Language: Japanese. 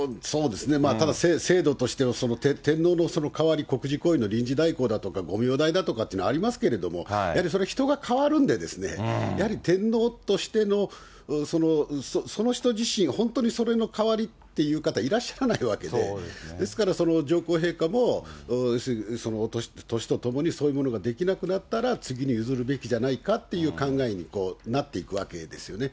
ただ制度としての天皇の代わり、国事行為の臨時代行だとかご名代とかっていうのはありますけれども、やはりそれ、人が代わるんで、やはり天皇としてのその人自身、本当にそれの代わりっていう方、いらっしゃらないわけで、ですから、上皇陛下も年とともに、そういうものができなくなったら次に譲るべきじゃないかっていう考えになっていくわけですよね。